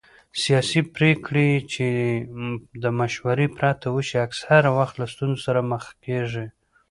سیاسي پرېکړې چې د مشورې پرته وشي اکثره وخت له ستونزو سره مخ کېږي